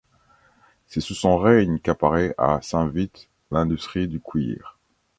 C’est sous son règne qu’apparaît à Saint-Vith l’industrie du cuir.